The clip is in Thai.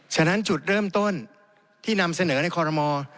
ฉะนั้นจุดเริ่มต้นที่นำเสนอในคอรมอ